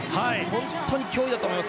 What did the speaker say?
本当に脅威だと思います。